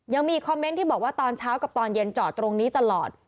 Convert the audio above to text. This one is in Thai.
ยังมีคอมเมนต์ที่บอกว่าตอนเช้ากับตอนเย็นจอดตรงนี้ตลอด